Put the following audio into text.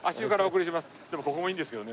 でもここもいいんですけどね。